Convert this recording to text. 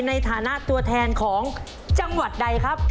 ในฐานะตัวแทนของจังหวัดใดครับ